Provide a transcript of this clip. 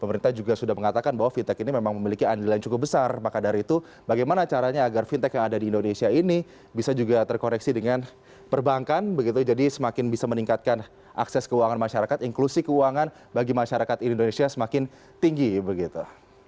pemerintah juga sudah mengatakan bahwa fintech ini memang memiliki andil yang cukup besar maka dari itu bagaimana caranya agar fintech yang ada di indonesia ini bisa juga terkoreksi dengan perbankan begitu jadi semakin bisa meningkatkan akses keuangan masyarakat inklusi keuangan bagi masyarakat indonesia semakin tinggi begitu